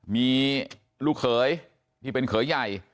มีลูกเขยที่เป็นเขยใหญ่